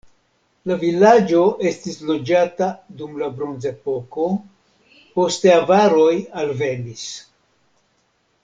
La vilaĝo estis loĝata dum la bronzepoko, poste avaroj alvenis.